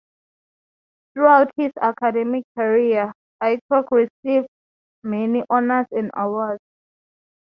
Throughout his academic career, Aycock received many honors and awards.